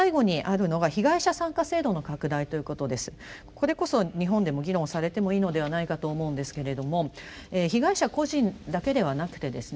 これこそ日本でも議論されてもいいのではないかと思うんですけれども被害者個人だけではなくてですね